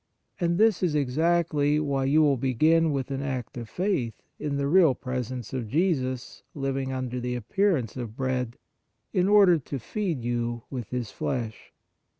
And this is exactly why you will begin with an act of faith in the real presence of Jesus living under the appearance of bread, in order to feed you with His Flesh.